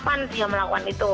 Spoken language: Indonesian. kan dia melakukan itu